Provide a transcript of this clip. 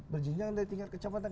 berjengkel dari tingkat kecamatan